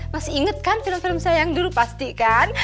masih inget kan film film saya yang dulu pasti kan